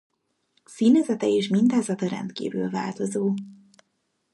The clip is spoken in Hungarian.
Színezete és mintázata rendkívül változó.